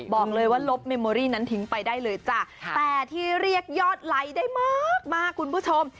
บอกเลยว่าลบเมมโอรี่นั้นทิ้งไปได้เลยจ้ะแต่ที่เรียกยอดไลค์ได้มากมากคุณผู้ชม